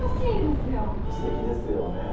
すてきですよね。